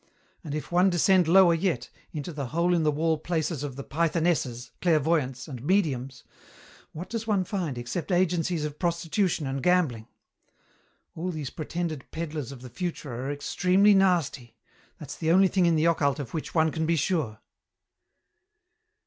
And if one descend lower yet, into the hole in the wall places of the pythonesses, clairvoyants, and mediums, what does one find except agencies of prostitution and gambling? All these pretended peddlers of the future are extremely nasty; that's the only thing in the occult of which one can be sure."